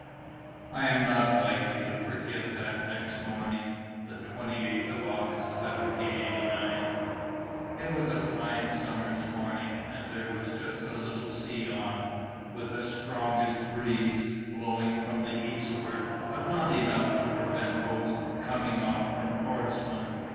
I am not likely to forget that next morning, the 28th of August, (17—). It was a fine summer's morning, and there was just a little sea on, with a strongish breeze blowing from the eastward, but not enough to prevent boats coming off from Portsmouth.